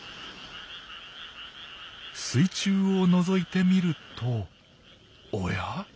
水中をのぞいてみるとおや？